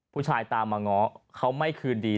ผู้ชายตามมาง้อเขาไม่คืนดี